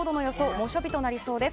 猛暑日となりそうです。